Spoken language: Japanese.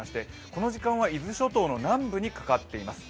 この時間は伊豆諸島の南部にかかっています。